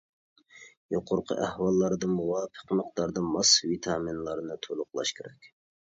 يۇقىرىقى ئەھۋاللاردا مۇۋاپىق مىقداردا ماس ۋىتامىنلارنى تولۇقلاش كېرەك.